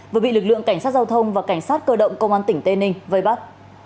vừa bị lực lượng cảnh sát giao thông và cảnh sát cơ động công an tỉnh tây ninh vây bắt